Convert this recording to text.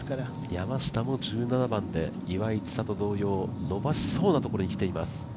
山下も１７番で岩井千怜同様、伸ばしそうなところにきています。